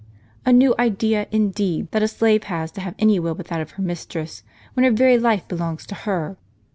A new idea, indeed, that a slave has to have any will but that of her mistress, when her very life belongs to her